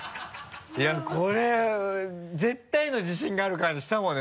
いやこれ絶対の自信がある感じしたもんね。